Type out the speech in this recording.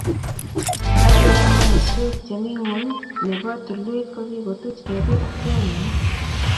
Sokek ak komoswek chemi ngwony nebo tulwet kokikotuch ketik ak tianginik